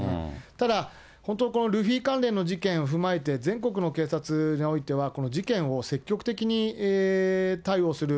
ただ、本当、このルフィ関連の事件を踏まえて、全国の警察においては、この事件を積極的に対応する。